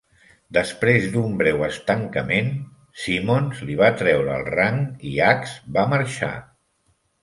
Després d"un breu estancament, Simons li va treure el rang i Ax va marxar.